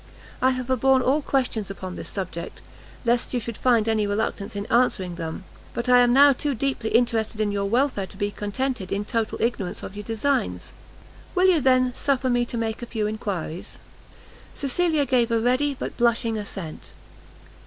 I have forborn all questions upon this subject, lest you should find any reluctance in answering them; but I am now too deeply interested in your welfare to be contented in total ignorance of your designs; will you, then, suffer me to make a few enquiries?" Cecilia gave a ready, but blushing assent.